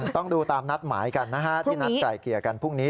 ต้องดูตามนัดหมายกันนะฮะที่นัดไกลเกลี่ยกันพรุ่งนี้